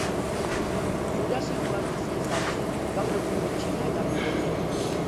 Jurasikoan bizi izan zen, gaur egungo Txina eta Mongolian.